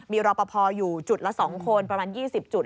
มีรอปภอยู่จุดละ๒คนประมาณ๒๐จุด